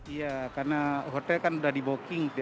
iya karena hotel kan sudah di bocking